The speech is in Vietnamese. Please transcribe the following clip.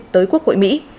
tới quốc hội mỹ